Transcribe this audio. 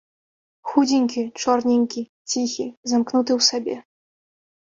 Худзенькі, чорненькі, ціхі, замкнуты ў сабе.